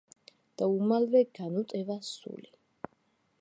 და უმალვე განუტევა სული.